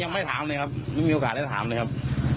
ไม่ถามเลยครับไม่มีโอกาสได้ถามเลยครับ